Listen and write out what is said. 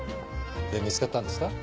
で見つかったんですか？